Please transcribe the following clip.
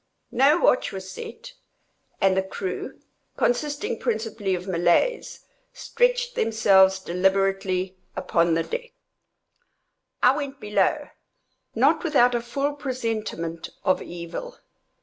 No watch was set, and the crew, consisting principally of Malays, stretched themselves deliberately upon deck. I went below—not without a full presentiment of evil.